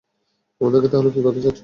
আমাদেরকে তাহলে কী করতে বলছ?